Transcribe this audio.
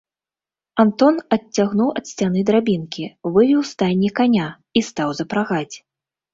Антон адцягнуў ад сцяны драбінкі, вывеў з стайні каня і стаў запрагаць.